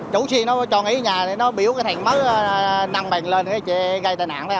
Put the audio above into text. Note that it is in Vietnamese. chủ xe nó cho nghỉ ở nhà thì nó biểu cái thằng mất năng mệnh lên cái trễ gây tài nạn